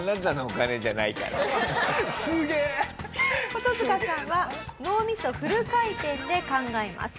コトヅカさんは脳みそフル回転で考えます。